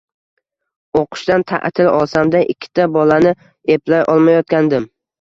O`qishdan ta`til olsam-da ikkita bolani eplay olmayotgandim